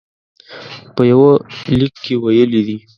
په یوه لیک کې ویلي دي.